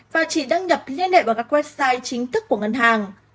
và chỉ đăng nhập liên hệ vào các website chính thức của ngân hàng